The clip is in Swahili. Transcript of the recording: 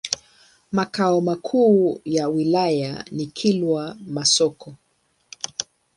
Makao makuu ya wilaya ni Kilwa Masoko.